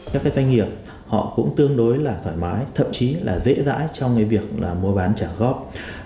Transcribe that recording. các doanh nghiệp họ cũng tương đối là thoải mái thậm chí là dễ dãi trong việc mua bán trả góp